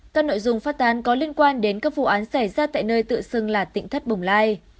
các nội dung phát tán có liên quan đến các vụ án xảy ra tại nơi tự xưng là tỉnh thất bồng lai